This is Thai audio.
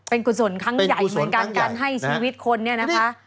เป็นกุศลครั้งใหญ่เหมือนกันการให้ชีวิตคนเนี่ยนะคะ